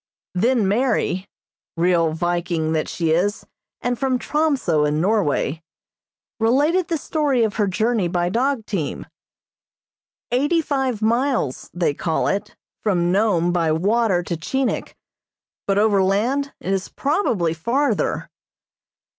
Then Mary, (real Viking that she is, and from Tromso, in Norway,) related the story of her journey by dog team. Eighty five miles, they call it, from Nome by water to Chinik, but overland it is probably farther.